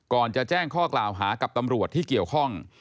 ก่อนจะแจ้งข้อกล่าวหากับตำรวจที่เกี่ยวข้อง